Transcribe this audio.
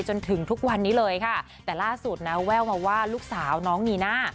จนถึงทุกวันนี้เลยค่ะแต่ล่าสุดนะแววมาว่าลูกสาวน้องนีน่า